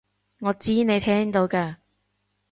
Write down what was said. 我知你聽到㗎